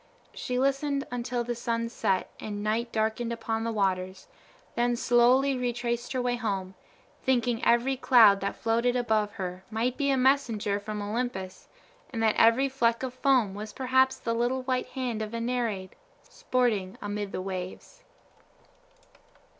She listened until the sun set and night darkened upon the waters, then slowly retraced her way home, thinking every cloud that floated above her might be a messenger from Olympus, and that every fleck of foam was perhaps the little white hand of a nereid, sporting amid the waves.